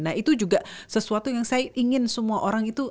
nah itu juga sesuatu yang saya ingin semua orang itu